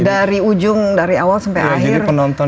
dari ujung dari awal sampai akhir betul betul dramatis